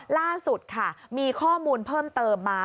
ล่าสุดค่ะมีข้อมูลเพิ่มเติมมา